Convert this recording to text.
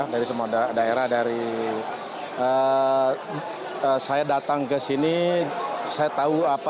dari semua daerah dari saya datang ke sini saya tahu apa